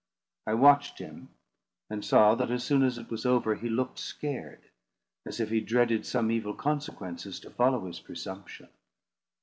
I watched him, and saw that, as soon as it was over, he looked scared, as if he dreaded some evil consequences to follow his presumption.